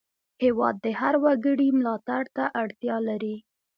هېواد د هر وګړي ملاتړ ته اړتیا لري.